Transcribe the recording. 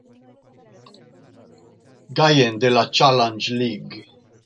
Gallen de la Challenge League.